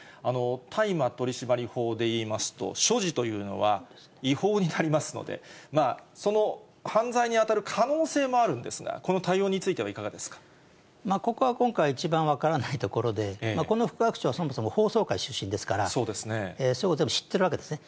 大麻取締法でいいますと、所持というのは違法になりますので、その犯罪に当たる可能性もあるんですが、ここは今回、一番分からないところで、この副学長はそもそも法曹界出身ですから、そういうこと全部知ってるわけですね。